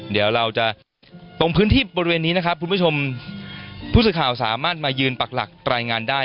เดี๋ยวเราจะตรงพื้นที่บริเวณนี้นะครับคุณผู้ชมผู้สื่อข่าวสามารถมายืนปักหลักรายงานได้